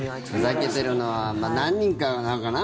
ふざけてるのは何人かなのかな。